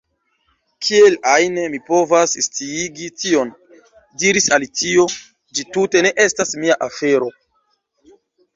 "Kiel ajn mi povas sciigi tion?" diris Alicio, "ĝi tute ne estas mia afero."